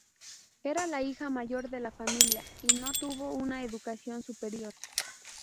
Era la hija mayor de la familia, y no tuvo una educación superior.